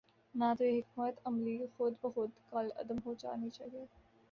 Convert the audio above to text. تو یہ حکمت عملی خود بخود کالعدم ہو جا نی چاہیے۔